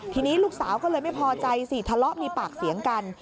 ทีนี้ลูกสาวก็เลยไม่พอใจสิทะเลาะมีปากเสียงกัน